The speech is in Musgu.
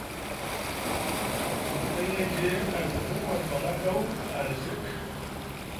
Ahiyeje a luba ɓuk war baŋa ɗaw ahani sek.